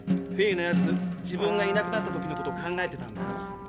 フィーのやつ自分がいなくなった時のこと考えてたんだよ。